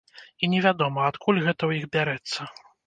І невядома, адкуль гэта ў іх бярэцца.